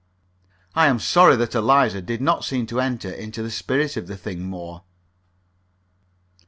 I am sorry that Eliza did not seem to enter into the spirit of the thing more.